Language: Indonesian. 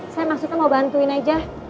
saya maksudnya mau bantuin aja